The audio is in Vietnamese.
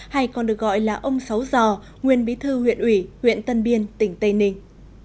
hay còn được gọi là ông sáu giò nguyên bí thư huyện ủy huyện tân biên tỉnh tây ninh